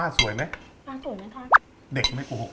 อันนี้คืออันนี้คือ